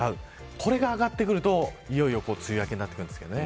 これが上がってくるといよいよ梅雨明けになってくるんですけどね。